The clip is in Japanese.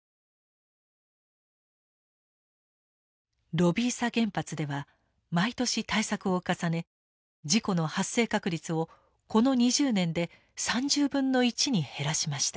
ロヴィーサ原発では毎年対策を重ね事故の発生確率をこの２０年で３０分の１に減らしました。